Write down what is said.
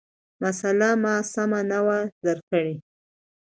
مسأله ما سمه نه وه درک کړې،